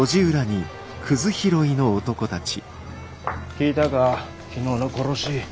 聞いたか昨日の殺し。